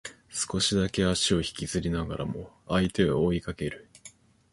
少しだけ足を引きずりながらも相手を追いかける